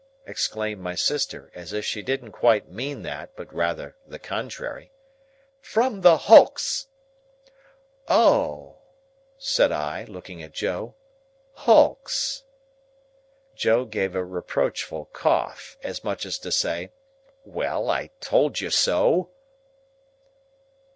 exclaimed my sister, as if she didn't quite mean that but rather the contrary. "From the Hulks!" "Oh h!" said I, looking at Joe. "Hulks!" Joe gave a reproachful cough, as much as to say, "Well, I told you so."